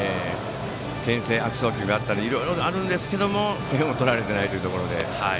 けん制の悪送球があったりいろいろあるんですが点を取られていないということで。